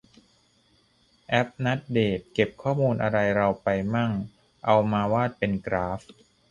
แอปนัดเดต เก็บข้อมูลอะไรเราไปมั่ง เอามาวาดเป็นกราฟ